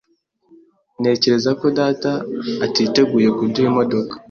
Ntekereza ko data atiteguye kuduha imodoka.